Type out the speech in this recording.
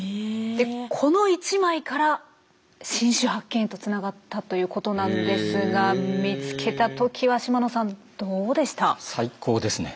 でこの１枚から新種発見へとつながったということなんですが見つけたときは島野さんどうでした？